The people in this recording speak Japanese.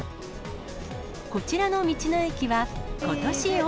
こちらの道の駅は、ことしオ